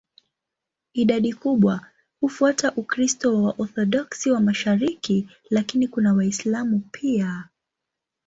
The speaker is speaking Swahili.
Idadi kubwa hufuata Ukristo wa Waorthodoksi wa mashariki, lakini kuna Waislamu pia.